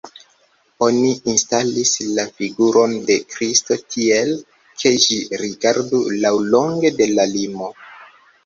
Oni instalis la figuron de Kristo tiel, ke ĝi rigardu laŭlonge de la limo.